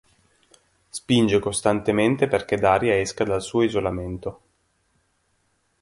Spinge costantemente perché Daria esca dal suo isolamento.